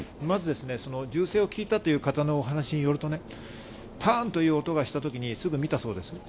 まず、銃声を聞いたという方のお話によるとね、パンという音がした時にすぐ見たそうです。